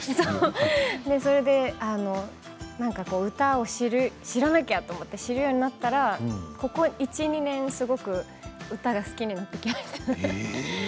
それで歌を知らなきゃと思って知るようになったらここ１、２年すごく歌が好きになってきました。